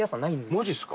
マジっすか？